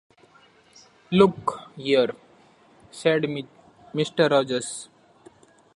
"Look here," said Mr. Rogers.